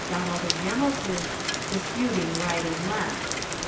Donald & Hamilton, disputing right and left.